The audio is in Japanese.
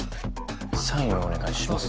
サインをお願いします。